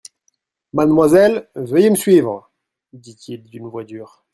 Mademoiselle, veuillez me suivre, dit-il d'une voix dure.